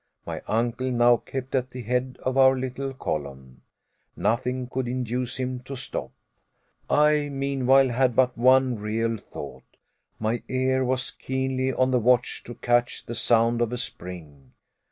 My uncle now kept at the head of our little column. Nothing could induce him to stop. I, meanwhile, had but one real thought. My ear was keenly on the watch to catch the sound of a spring.